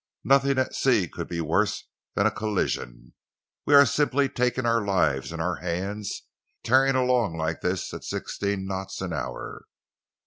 "Nothing at sea could be worse than a collision. We are simply taking our lives in our hands, tearing along like this at sixteen knots an hour."